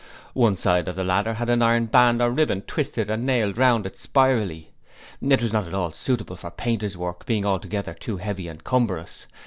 One side of the ladder had an iron band or ribbon twisted and nailed round it spirally. It was not at all suitable for painters' work, being altogether too heavy and cumbrous.